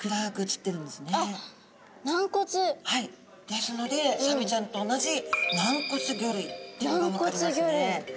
ですのでサメちゃんと同じ軟骨魚類っていうのが分かりますね。